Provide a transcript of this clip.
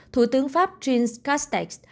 thủ tướng pháp jean castex